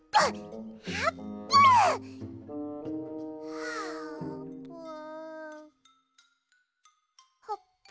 あーぷん！